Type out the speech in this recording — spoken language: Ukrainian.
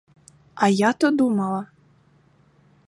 А я то думала.